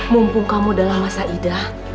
mumpung kamu dalam masa idah